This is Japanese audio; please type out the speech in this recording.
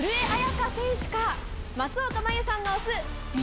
松岡茉優さんが推す。